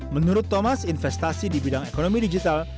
menurut thomas investasi di bidang ekonomi digital